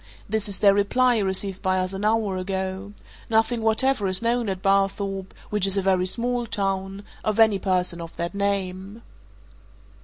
This is their reply, received by us an hour ago. Nothing whatever is known at Barthorpe which is a very small town of any person of that name."